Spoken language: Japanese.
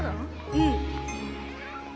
うん